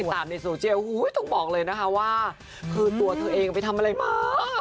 ต้องบอกเลยว่าคือตัวเธอเองไปทำอะไรมาก